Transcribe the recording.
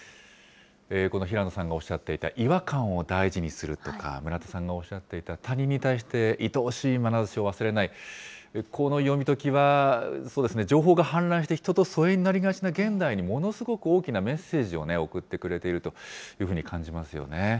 この平野さんがおっしゃっていた違和感を大事にするとか、村田さんがおっしゃっていた、他人に対していとおしいまなざしを忘れない、この読み解きは、情報が氾濫して、人と疎遠になりがちな現代にものすごく大きなメッセージを送ってくれてるというふうに感じますよね。